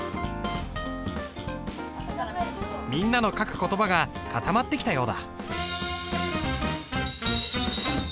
みんなの書く言葉が固まってきたようだ。